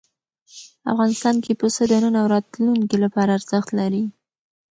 افغانستان کې پسه د نن او راتلونکي لپاره ارزښت لري.